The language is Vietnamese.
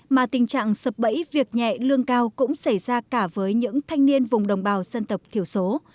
mà tình trạng sập bẫy việc nhẹ lương cao cũng xảy ra cả với những thanh niên vùng đồng bào dân tộc thiểu số